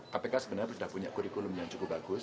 kpk sebenarnya sudah punya kurikulum yang cukup bagus